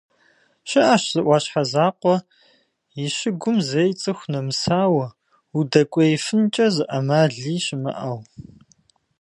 ЩыӀэщ зы Ӏуащхьэ закъуэ и щыгум зэи цӀыху нэмысауэ, удэкӀуеифынкӀэ зы Ӏэмали щымыӀэу.